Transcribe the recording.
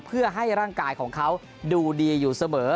เพื่อให้ร่างกายของเขาดูดีอยู่เสมอ